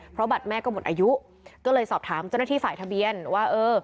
เพราะบัตรแม่ก็หมดอายุก็เลยสอบถามเจ้าหน้าที่ฝ่ายทะเบียนว่าเออ